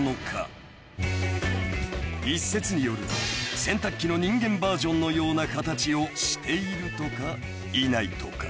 ［一説によると洗濯機の人間バージョンのような形をしているとかいないとか］